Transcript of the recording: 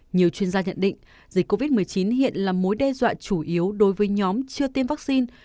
nhiều chuyên gia nhận định dịch covid một mươi chín hiện là mối đe dọa chủ yếu đối với nhóm chưa tiêm vaccine